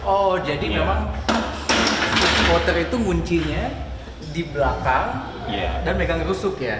oh jadi memang voter itu kuncinya di belakang dan megang rusuk ya